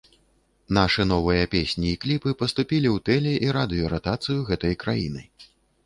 Нашы новыя песні і кліпы паступілі ў тэле- і радыёратацыю гэтай краіны.